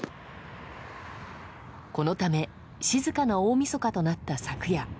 このため静かな大みそかとなった昨夜。